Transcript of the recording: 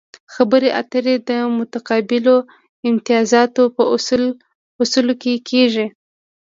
خبرې اترې د متقابلو امتیازاتو په اصولو کیږي